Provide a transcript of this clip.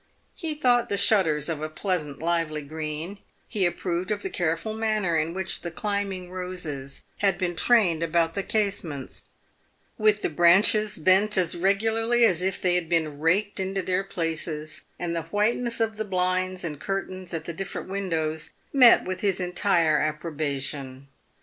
He thought the shutters of a pleasant lively green ; he approved of the careful manner in which the climbing roses had been trained about the casements, with the branches bent as regularly as if they had been raked into their places, and the whiteness of the blinds and curtains at the different windows met with his entire approbation.